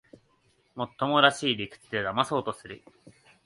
もっともらしい理屈でだまそうとする